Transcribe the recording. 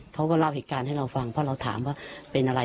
เขาก็เล่าเหตุการณ์ให้เราฟังเพราะเราถามว่าเป็นอะไร